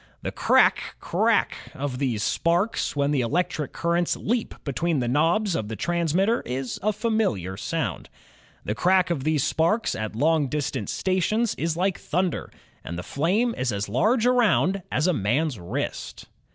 The cr a ck, cr a ck of the sparks when the electric currents leap between the knobs of the trans mitter is a familiar sound. The crack of these spsu ks at long distance stations is like thunder, and the flame is as large around as a man's wrist.